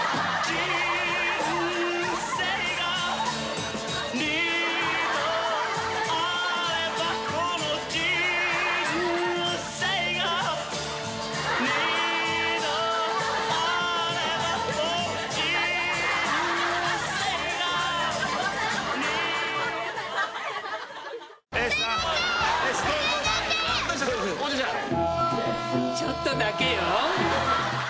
ちょっとだけよ。